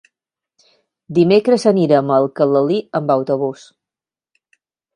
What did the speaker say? Dimecres anirem a Alcalalí amb autobús.